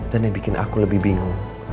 dan yang bikin aku lebih bingung